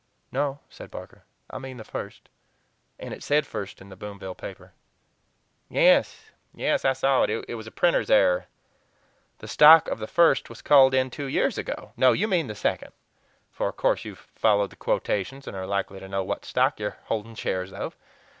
"No," said Barker; "I mean the 'First' and it said First in the Boomville paper." "Yes, yes! I saw it it was a printer's error. The stock of the 'First' was called in two years ago. No! You mean the 'Second,' for, of course, you've followed the quotations, and are likely to know what stock you're holding shares of.